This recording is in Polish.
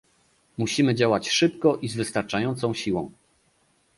Musimy działać szybko i z wystarczającą siłą